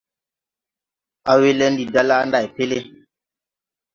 Awelɛ ndi da laa nday peele.